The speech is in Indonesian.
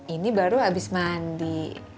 ini baru habis mandi